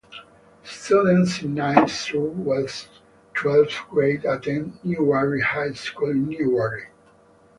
Students in ninth through twelfth grade attend Newberry High School in Newberry.